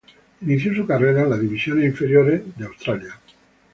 Inició su carrera en las divisiones inferiores del de Australia.